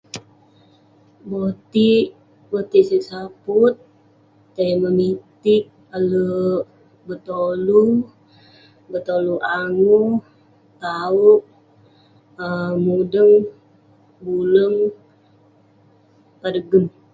Botik, botik seq saput tai memitiq, alek betolu, betolu angu, tawek, um mudeu, buleng, pade gem.